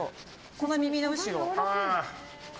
この耳の後ろ。